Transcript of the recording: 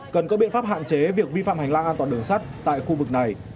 cần có biện pháp hạn chế việc vi phạm hành lang an toàn đường sắt tại khu vực này